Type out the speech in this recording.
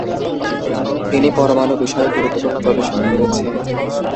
তিনি পরমাণু বিষয়ে গুরুত্বপূর্ণ গবেষণা করেছেন।